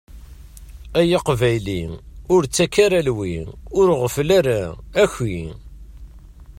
Ay Aqbayli ur ttakk ara lwi, ur ɣeffel ara, aki.